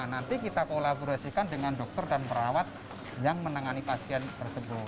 nanti kita kolaborasikan dengan dokter dan perawat yang menangani pasien tersebut